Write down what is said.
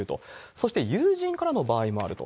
そして友人からの場合もあると。